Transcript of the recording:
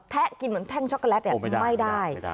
แท๊ะกินเหมือนแท่งช็อคโคแลตแด่ไม่ได้ไม่ได้